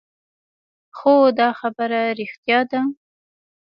خو دا خبره رښتيا ده.